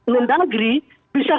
dengan negeri bisa